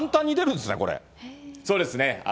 そうですね。